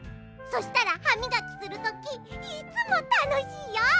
そしたらはみがきするときいつもたのしいよ！